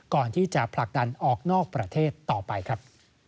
ผลักดันออกนอกประเทศต่อไปครับ